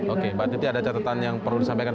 oke mbak titi ada catatan yang perlu disampaikan